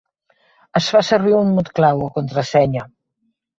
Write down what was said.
Es fa servir un mot-clau, o contrasenya.